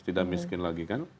tidak miskin lagi kan